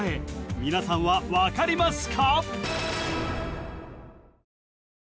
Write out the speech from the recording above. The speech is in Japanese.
皆さんは分かりますか？